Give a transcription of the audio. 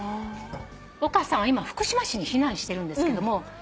岡さんは今福島市に避難してるんですけども。